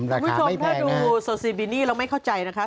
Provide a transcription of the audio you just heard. ราคาไม่แพงนะมุมชมถ้าดูโซซีบินี่เราไม่เข้าใจนะคะ